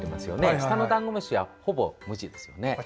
下のダンゴムシはほぼ無地ですよね。